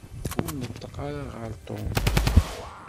Ur neṭṭeq ara ɣer Tom.